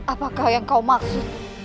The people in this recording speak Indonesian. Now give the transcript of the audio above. apakah yang kau maksud